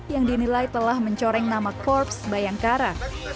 yang dinilai telah mencoreng nama korps bayangkara